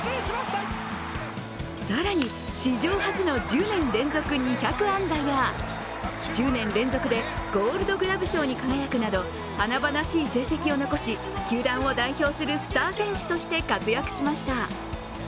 更に史上初の１０年連続２００安打や１０年連続でゴールドグラブ賞に輝くなど華々しい成績を残し、球団を代表するスター選手として活躍しました。